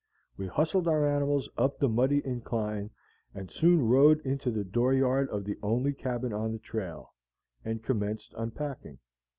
We hustled our animals up the muddy incline, and soon rode into the door yard of the only cabin on the trail, and commenced unpacking.